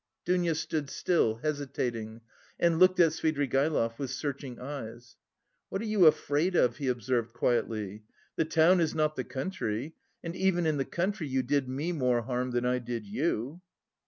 Dounia stood still, hesitating, and looked at Svidrigaïlov with searching eyes. "What are you afraid of?" he observed quietly. "The town is not the country. And even in the country you did me more harm than I did you."